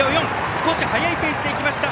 少し速いペースでいきました。